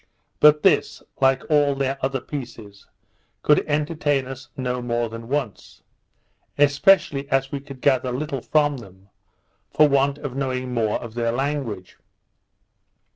But this, like all their other pieces, could entertain us no more than once; especially as we could gather little from them, for want of knowing more of their language.